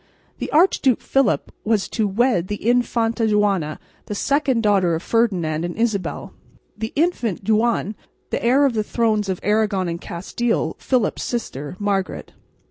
The Archduke Philip was to wed the Infanta Juana, the second daughter of Ferdinand and Isabel; the Infante Juan, the heir to the thrones of Aragon and Castile, Philip's sister, Margaret.